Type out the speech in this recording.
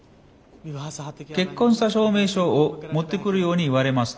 結婚した証明書を持ってくるように言われました。